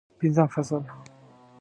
پنځم فصل